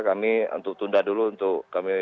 kami untuk tunda dulu untuk kami